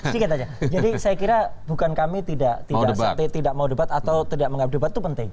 sedikit aja jadi saya kira bukan kami tidak mau debat atau tidak mengambil debat itu penting